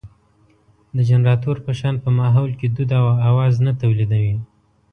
د جنراتور په شان په ماحول کې دود او اواز نه تولېدوي.